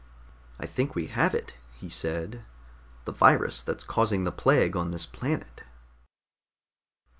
"I think we have it," he said. "The virus that's causing the plague on this planet."